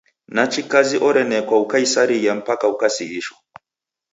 Nachi kazi orenekwa ukaisarighia mpaka ukasighishwa.